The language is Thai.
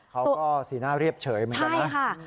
สีหน้าเรียบเฉยเหมือนกันนะ